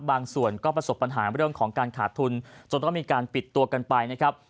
ส่วนก็ประสบปัญหาเรื่องของการขาดทุนจนต้องมีการปิดตัวกันไปนะครับ